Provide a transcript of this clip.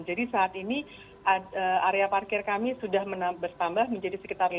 jadi saat ini area parkir kami sudah bertambah menjadi sekitar lima dua ratus